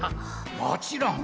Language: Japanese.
もちろん！